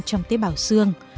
trong tế bào xương